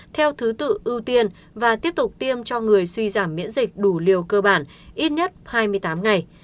theo thứ tự ưu tiên và tiếp tục tiêm cho người suy giảm miễn dịch đủ liều cơ bản ít nhất hai mươi tám ngày